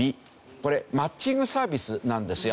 これマッチングサービスなんですよ。